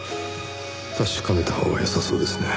確かめたほうが良さそうですね。